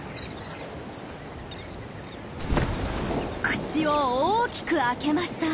口を大きく開けました。